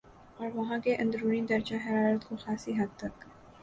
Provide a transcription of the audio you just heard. اور وہاں کے اندرونی درجہ حرارت کو خاصی حد تک